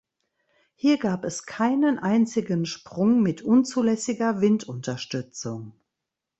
Hier gab es keinen einzigen Sprung mit unzulässiger Windunterstützung.